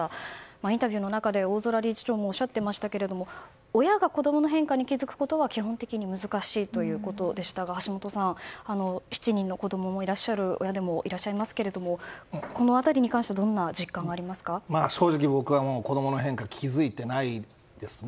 インタビューの中で大空理事長もおっしゃっていましたが親が子供の変化に気づくことは基本的に難しいということでしたが橋下さん、７人の子供の親でもいらっしゃいますけれどもこの辺りに関して正直僕は子供の変化気づいてないですね。